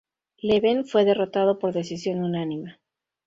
Leben fue derrotado por decisión unánime.